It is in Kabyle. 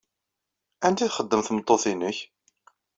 Anda ay txeddem tmeṭṭut-nnek?